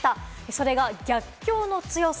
それが逆境の強さ。